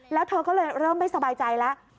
แล้วเธอก็เลยเริ่มไม่สบายใจแล้ว